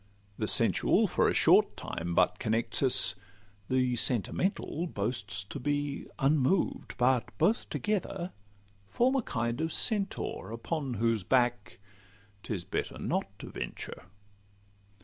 The sensual for a short time but connects us, The sentimental boasts to be unmoved; But both together form a kind of centaur, Upon whose back 'tis better not to venture.